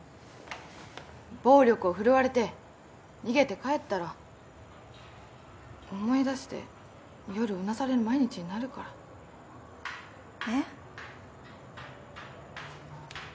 暴力を振るわれて逃げて帰ったら思い出して夜うなされる毎日になるからえっ？